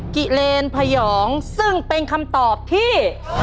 กิเลนพยองซึ่งเป็นคำตอบที่